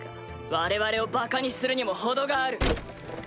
我々をバカにするにも程がある。